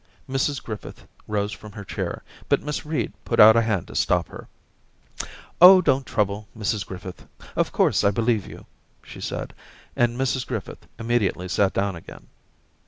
Mrs Griffith rose from her chair, but Miss Reed put out a hand to stop her. * Oh, don't trouble, Mrs Griffith ; of course I believe you,' she said, and Mrs Griffith immediately sat down again.